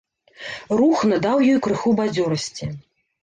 Рух надаў ёй крыху бадзёрасці.